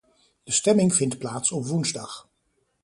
De stemming vindt plaats op woensdag.